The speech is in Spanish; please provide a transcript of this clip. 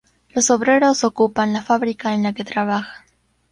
Los obreros ocupan la fábrica en la que trabajan.